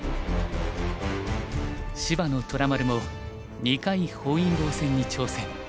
芝野虎丸も２回本因坊戦に挑戦。